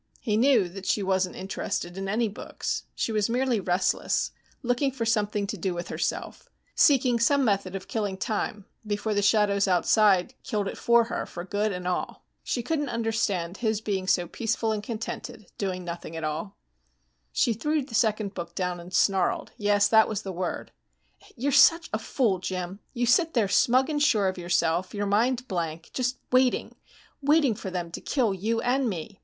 He knew that she wasn't interested in any books. She was merely restless, looking for something to do with herself, seeking some method of killing time before the shadows outside killed it for her for good and all. She couldn't understand his being so peaceful and contented, doing nothing at all. She threw the second book down and snarled yes, that was the word, "You're such a fool, Jim! You sit there, smug and sure of yourself, your mind blank, just waiting waiting for them to kill you and me.